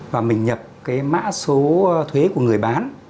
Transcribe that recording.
và mình nhập cái mã số thuế của người bán